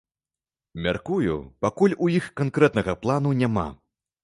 Мяркую, пакуль у іх канкрэтнага плану няма.